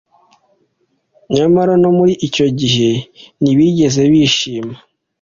nyamara no muri icyo gihe ntibigeze bishima